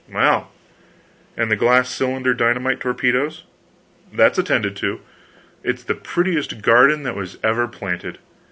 "Well, and the glass cylinder dynamite torpedoes?" "That's attended to. It's the prettiest garden that was ever planted.